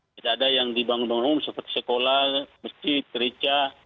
tidak ada yang dibangun bangun seperti sekolah masjid gereja